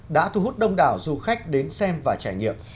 đã thu hút đông đảo du khách đến xem và trải nghiệm